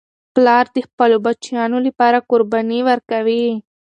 پلار د خپلو بچیانو لپاره قرباني ورکوي.